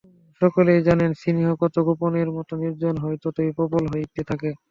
সকলেই জানেন, স্নেহ যত গোপনের, যত নির্জনের হয় ততই প্রবল হইতে থাকে।